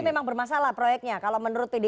jadi memang bermasalah proyeknya kalau menurut dedy